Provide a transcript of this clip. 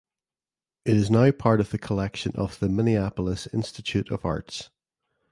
It is now part of the collection of the Minneapolis Institute of Arts.